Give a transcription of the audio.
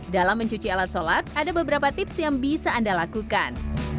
dalam mencuci alat sholat ada beberapa tips yang bisa anda lakukan